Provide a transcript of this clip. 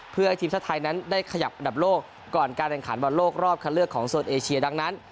เพื่อให้ทีมชาติไทยนั้นได้ขยับอันดับโลกก่อนการแข่งขันบอลโลกรอบคันเลือกของโซนเอเชียดังนั้น